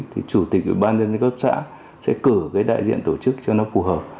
thì chủ tịch ubnd cấp xã sẽ cử đại diện tổ chức cho nó phù hợp